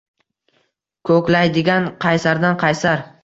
Koʼklaydigan qaysardan qaysar